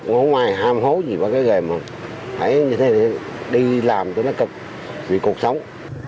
cũng không ai ham hố gì vào cái gầy mà hãy như thế đi làm cho nó cập vị cuộc sống